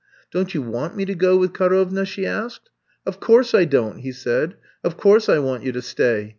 Don't you want me to go with Ka rovna?" she asked. *'0f course I don't," he said. 0f course, I want you to stay.